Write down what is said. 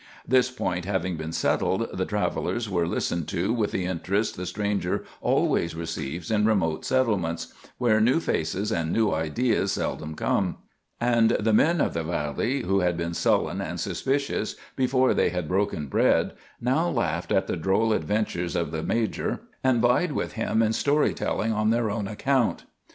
This point having been settled, the travelers were listened to with the interest the stranger always receives in remote settlements where new faces and new ideas seldom come; and the men of the valley, who had been sullen and suspicious before they had broken bread, now laughed at the droll adventures of the major and vied with him in story telling on their own account.